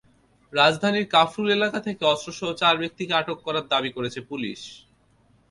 রাজধানীর কাফরুল এলাকা থেকে অস্ত্রসহ চার ব্যক্তিকে আটক করার দাবি করেছে পুলিশ।